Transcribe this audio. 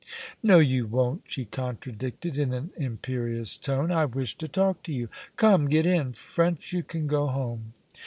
"No, you won't," she contradicted, in an imperious tone. "I wish to talk to you. Come, get in. French, you can go home."